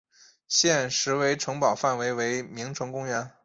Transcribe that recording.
现时为城堡范围为名城公园。